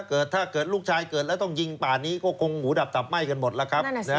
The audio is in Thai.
เกิดถ้าเกิดลูกชายเกิดแล้วแล้วต้องยิงป่านี้ก็คงหูดับไหม้กันหมดล่ะครับ